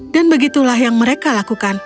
dan begitulah yang mereka lakukan